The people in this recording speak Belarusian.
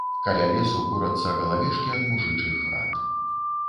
Каля лесу курацца галавешкі ад мужычых хат.